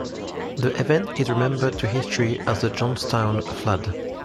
The event is remembered to history as the Johnstown Flood.